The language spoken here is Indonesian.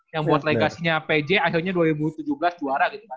yang buat legasinya pj akhirnya dua ribu tujuh belas juara gitu kan